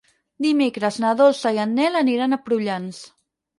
Dimecres na Dolça i en Nel aniran a Prullans.